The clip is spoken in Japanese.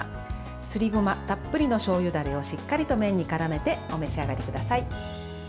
すりごまたっぷりのしょうゆダレをしっかりと麺に絡めてお召し上がりください。